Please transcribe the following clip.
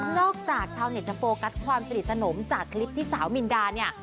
จากชาวเน็ตจะโฟกัสความสนิทสนมจากคลิปที่สาวมินดาเนี่ย